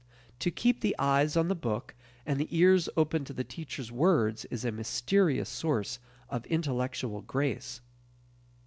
To keep the eyes on the book and the ears open to the teacher's words is a mysterious source of intellectual grace.